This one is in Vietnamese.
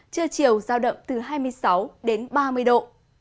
trưa chiều giao động từ hai mươi sáu đến ba mươi độ